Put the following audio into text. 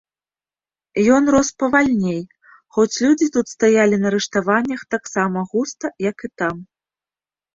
Ён рос павальней, хоць людзі тут стаялі на рыштаваннях таксама густа, як і там.